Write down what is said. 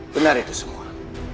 benar itu semua